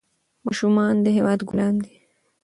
ماشومان د هېواد ګلان دي.